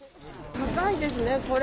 高いですね、これ。